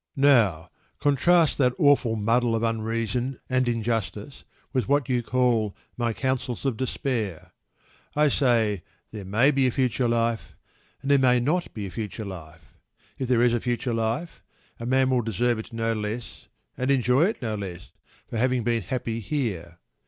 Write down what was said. Now, contrast that awful muddle of unreason and injustice with what you call my "counsels of despair." I say there may be a future life and there may not be a future life. If there is a future life, a man will deserve it no less, and enjoy it no less, for having been happy here.